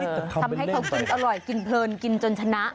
ทำให้เขากินอร่อยกินเพลินกินจนชนะ